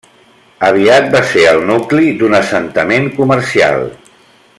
Aviat va ser el nucli d'un assentament comercial.